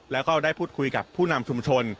แล้วก็ได้พูดคุยกับผู้นำชุมชน